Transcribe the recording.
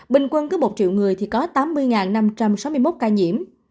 bình quân cứ một triệu người thì có tám mươi năm trăm sáu mươi một ca nhiễm